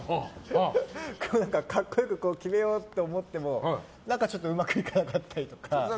格好良く決めようと思ってもなんかちょっとうまくいかなかったりとか。